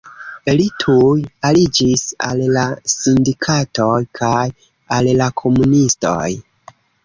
Li tuj aliĝis al la sindikatoj kaj al la komunistoj.